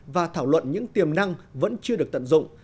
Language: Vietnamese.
và thảo luận những tiềm năng vẫn chưa được tận dụng